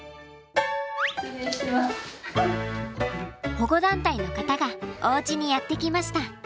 保護団体の方がおうちにやって来ました。